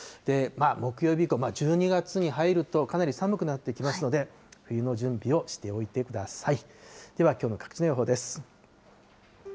木曜日、１２月に入ると、かなり寒くなってきますので、冬の準備をしておいてください。